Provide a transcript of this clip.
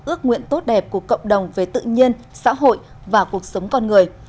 ước nguyện tốt đẹp của cộng đồng về tự nhiên xã hội và cuộc sống con người